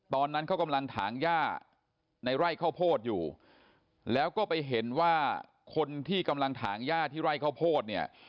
ตอนนั้นเขากำลังถางย่าในไร่ข้าวโพดอยู่แล้วก็ไปเห็นว่าคนที่กำลังถางย่าที่ไร่ข้าวโพดเนี่ย